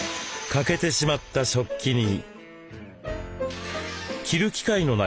欠けてしまった食器に。